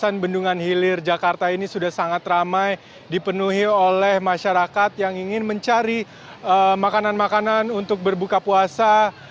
kawasan bendungan hilir jakarta ini sudah sangat ramai dipenuhi oleh masyarakat yang ingin mencari makanan makanan untuk berbuka puasa